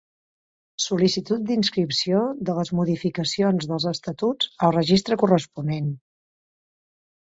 Sol·licitud d'inscripció de les modificacions dels estatuts al registre corresponent.